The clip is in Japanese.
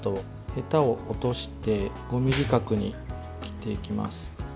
へたを落として５ｍｍ角に切っていきます。